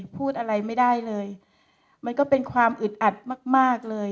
พูดอะไรไม่ได้เลยมันก็เป็นความอึดอัดมากมากเลย